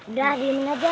udah dimainin aja